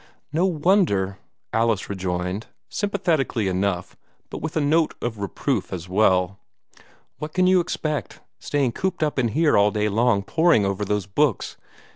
"No wonder!" Alice rejoined, sympathetically enough, but with a note of reproof as well. "What can you expect, staying cooped up in here all day long, poring over those books?